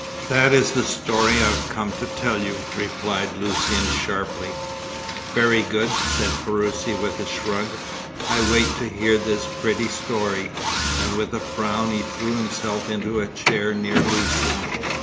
"That is the story I have come to tell you," replied Lucian sharply. "Very good," said Ferruci, with a shrug. "I wait to hear this pretty story," and with a frown he threw himself into a chair near Lucian.